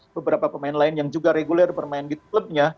beberapa pemain lain yang juga reguler bermain di klubnya